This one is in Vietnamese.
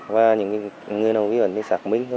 và những người nào vẫn sạc minh